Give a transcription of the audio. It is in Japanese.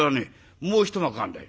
もう一幕あるんだよ」。